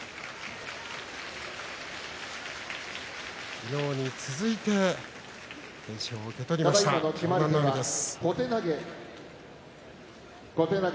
昨日に続いて懸賞を受け取りました湘南乃海です。